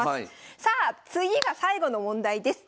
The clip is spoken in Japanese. さあ次が最後の問題です！